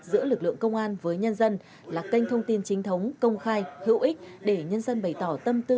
giữa lực lượng công an với nhân dân là kênh thông tin chính thống công khai hữu ích để nhân dân bày tỏ tâm tư